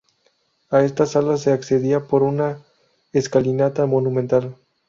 A esta sala se accedía por una escalinata monumental.